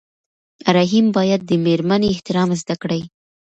رحیم باید د مېرمنې احترام زده کړي.